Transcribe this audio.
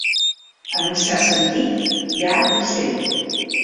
En un cert sentit, llar d'ocell.